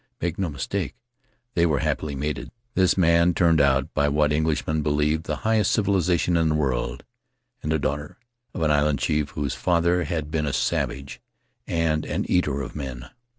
Make no mistake — they were happily mated, this man, turned out by what Englishmen believe the highest civilization in the world, and the daughter of an island chief whose father had been a savage and an eater of men.